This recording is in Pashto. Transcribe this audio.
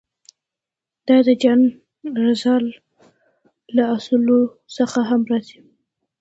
دا د جان رالز له اصولو څخه هم راځي.